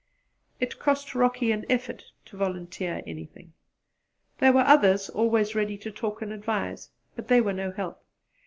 It cost Rocky an effort to volunteer anything. There were others always ready to talk and advise; but they were no help.